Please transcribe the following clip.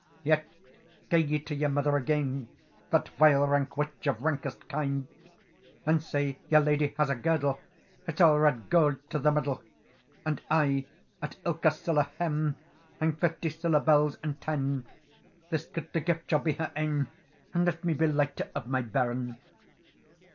"Yet gae ye to your mother again, That vile rank witch, of rankest kind! And say, your ladye has a girdle, It's all red gowd to the middle; "And aye, at ilka siller hem, Hang fifty siller bells and ten; This gudely gift shall be her ain, And let me be lighter of my bairn."